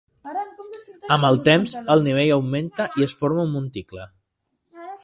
Amb el temps, el nivell augmenta i es forma un monticle.